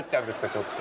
ちょっと！